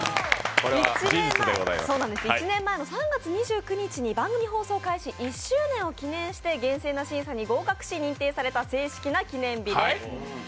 １年前の３月２９日に番組放送開始１周年を記念して厳正な審査に合格し認定された正式な記念日です。